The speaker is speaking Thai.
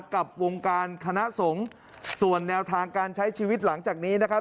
กับวงการคณะสงฆ์ส่วนแนวทางการใช้ชีวิตหลังจากนี้นะครับ